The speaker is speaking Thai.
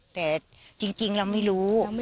แต่จริงเราไม่รู้